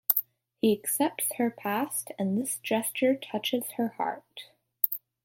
He accepts her past and this gesture touches her heart.